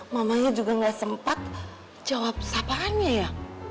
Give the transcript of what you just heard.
mamanya juga gak sempat jawab sapaannya ya